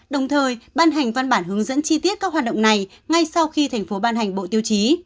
đồng thời ban hành văn bản hướng dẫn chi tiết các hoạt động này ngay sau khi thành phố ban hành bộ tiêu chí